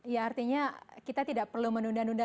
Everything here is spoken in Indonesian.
ya artinya kita tidak perlu menunda nunda